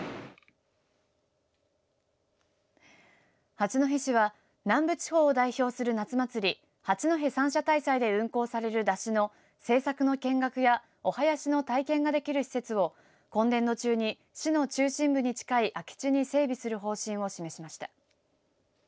八戸市は南部地方を代表する夏祭り八戸三社大祭で運行される山車の制作の見学やお囃子の体験ができる施設を今年度中に市の中心部に近い空き地に整備する方針を示しました。